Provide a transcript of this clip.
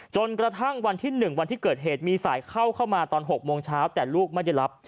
จนกระทั่งวันที่๑วันที่เกิดเหตุมีสายเข้าเข้ามาตอน๖โมงเช้าแต่ลูกไม่ได้รับ